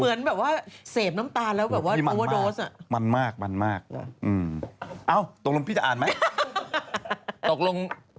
เหมือนเสียบน้ำตาวแล้วแบบว่าดูแต่ความเต็ม